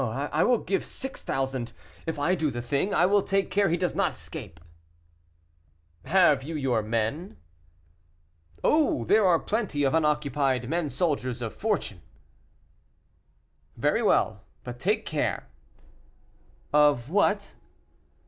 "I will give six thousand; if I do the thing, I will take care he does not escape." "Have you your men?" "Oh, there are plenty of unoccupied men soldiers of fortune." "Very well; but take care." "Of what?"